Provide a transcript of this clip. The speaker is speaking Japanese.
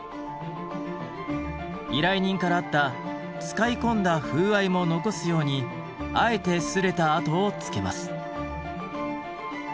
依頼人からあった使い込んだ風合いも残すようにあえて擦れた痕をつけます。